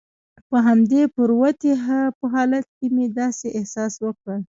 په همدې پروتې په حالت کې مې داسې احساس وکړل.